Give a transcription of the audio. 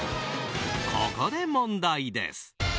ここで問題です。